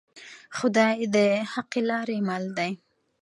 خدای د حقې لارې مل دی